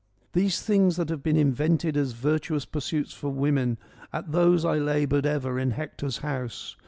' Those things that have been invented as virtuous pursuits for women, at those I laboured ever in Hector's house.